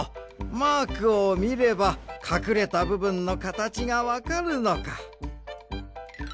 マークをみればかくれたぶぶんのかたちがわかるのか。